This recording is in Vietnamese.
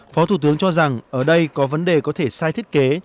phó thủ tướng cho rằng ở đây có vấn đề có thể sai thiết kế